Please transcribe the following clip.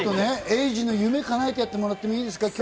エイジの夢かなえてやってもらっていいですか？